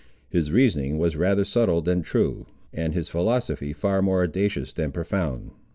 His reasoning was rather subtle than true, and his philosophy far more audacious than profound.